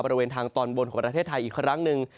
บริเวณทางตอนบนของประเทศไทยอีกครั้งหนึ่ง